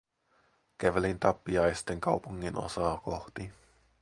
Kävelin tappiaisten kaupunginosaa kohti.